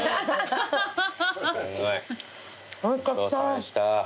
ごちそうさまでした。